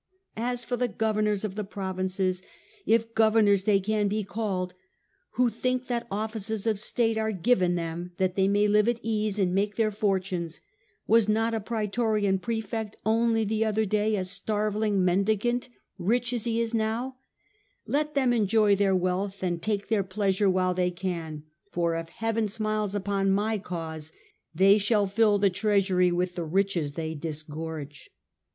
As for the governors of the provinces, if governors they can be called who think that offices of state are given them that they may live at ease and make their fortunes — was not a and com praetorian praefect only the other day a starveling mendicant, rich as he is now — let nates, them enjoy their wealth and take their pleasure while they can, for if heaven smiles upon my cause they shall fill the treasury with the riches they disgorge.